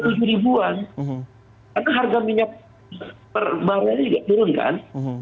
karena harga minyak per barangnya tidak turun kan